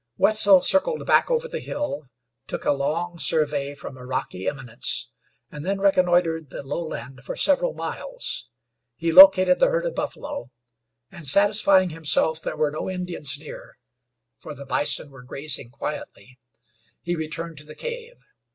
Wetzel circled back over the hill, took a long survey from a rocky eminence, and then reconnoitered the lowland for several miles. He located the herd of buffalo, and satisfying himself there were no Indians near for the bison were grazing quietly he returned to the cave.